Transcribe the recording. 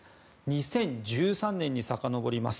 ２０１３年にさかのぼります。